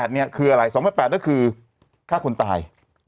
นี่คืออะไร๒๘๘ก็คือฆ่าคนตาย